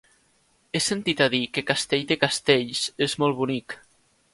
He sentit a dir que Castell de Castells és molt bonic.